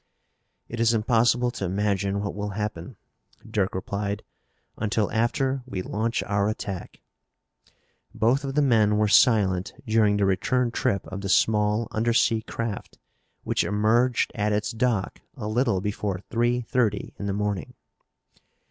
"It is impossible to imagine what will happen," Dirk replied, "until after we launch our attack." Both of the men were silent during the return trip of the small undersea craft, which emerged at its dock a little before three thirty in the morning.